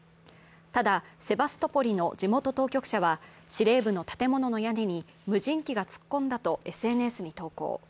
ただ、セバストポリの地元当局者は司令部の建物の屋根に無人機が突っ込んだとＳＮＳに投稿。